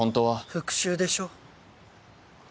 復讐でしょ？